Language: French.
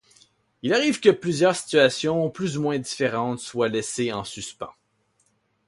Il arrive que plusieurs situations plus ou moins différentes soient laissées en suspens.